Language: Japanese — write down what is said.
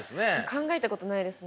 考えたことないですね。